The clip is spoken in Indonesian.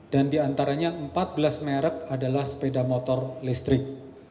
dan di antaranya empat belas merek adalah sepeda motor listrik